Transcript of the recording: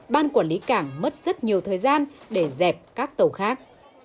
ban quản lý cảng mất rất nhiều thời gian để dẹp các tàu khác